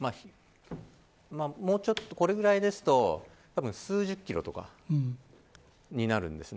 これぐらいですと、たぶん数十キロとかになるんですね。